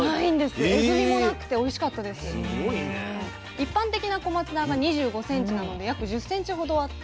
一般的な小松菜が２５ｃｍなので約１０ｃｍほどあって。